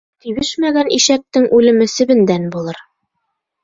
Тибешмәгән ишәктең үлеме себендән булыр.